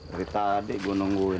dari tadi gue nungguin